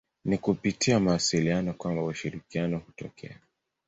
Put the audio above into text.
Ni kupitia mawasiliano kwamba ushirikiano hutokea.